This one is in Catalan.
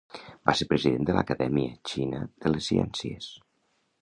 Va ser president de l'Acadèmia Xina de les Ciències.